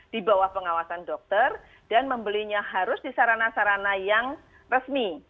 di bawah pengawasan dokter dan membelinya harus di sarana sarana yang resmi